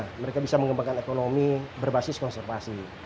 karena kita harus mengembangkan ekonomi berbasis konservasi